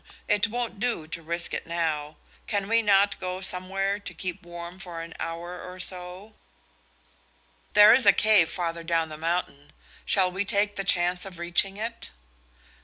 It won't do to risk it now. Can we not go somewhere to keep warm for an hour or so?" "There is a cave farther down the mountain. Shall we take the chance of reaching it?"